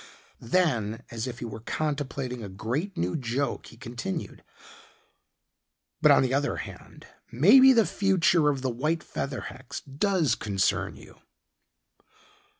Then as if he were contemplating a great new joke he continued. "But on the other hand, maybe the future of the white feather hex does concern you."